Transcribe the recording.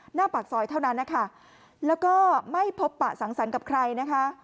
หน้าปากซอยเท่านั้นนะคะแล้วก็ไม่พบปะสังสรรค์กับใครนะคะ